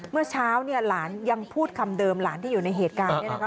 เมื่อเช้าเนี่ยหลานยังพูดคำเดิมหลานที่อยู่ในเหตุการณ์เนี่ยนะคะ